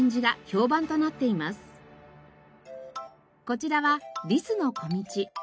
こちらはリスの小径。